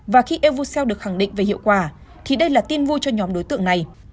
và khi evosele được khẳng định về hiệu quả thì đây là tin vui cho nhóm đối tượng này